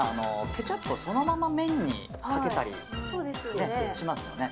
ケチャップをそのまま麺にかけたりしますよね。